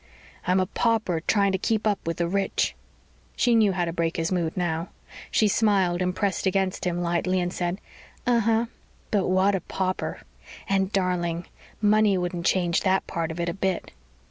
"I'm a pauper trying to keep up with the rich." She knew how to break his mood now. She smiled and pressed against him lightly and said, "Uh huh, but what a pauper. And darling, money wouldn't change that part of it a bit."